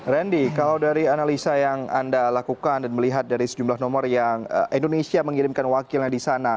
randy kalau dari analisa yang anda lakukan dan melihat dari sejumlah nomor yang indonesia mengirimkan wakilnya di sana